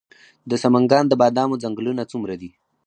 د سمنګان د بادامو ځنګلونه څومره دي؟